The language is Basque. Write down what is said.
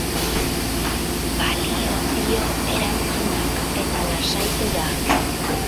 Balio dio erantzunak, eta lasaitu da.